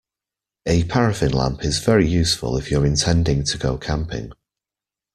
A paraffin lamp is very useful if you're intending to go camping